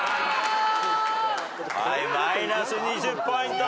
マイナス２０ポイント。